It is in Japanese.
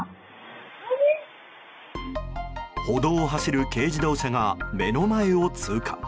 歩道を走る軽自動車が目の前を通過。